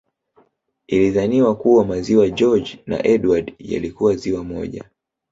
Ilidhaniwa kuwa Maziwa George na Edward yalikuwa ziwa moja